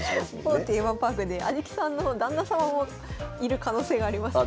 某テーマパークで安食さんの旦那様もいる可能性がありますよね。